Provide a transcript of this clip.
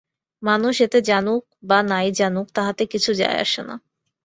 মানুষ ইহা জানুক বা নাই জানুক, তাহাতে কিছুই আসে যায় না।